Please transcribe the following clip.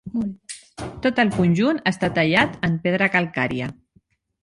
Tot el conjunt està tallat en pedra calcària.